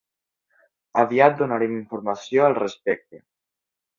Aviat donarem informació al respecte.